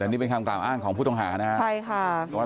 อันนี้เป็นคำกราบอ้างของพ่อผู้ทักษะนะครับ